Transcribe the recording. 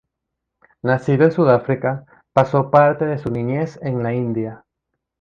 Nacido en Sudáfrica, pasó parte de su niñez en la India.